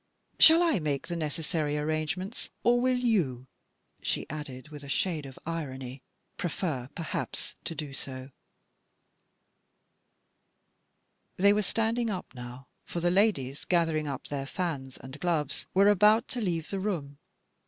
Shall I make the necessary arrangements, or will you," she added, with a shade of irony, "prefer perhaps to do so ?"^ 1 i 253 THE BTORT OF A MODERN WOMAN. S They were standing up now, for the ladies, gathering up their fans and gloves, were about to leave the room.